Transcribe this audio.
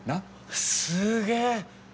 すげえ。